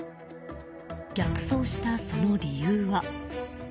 逆走した、その理由は。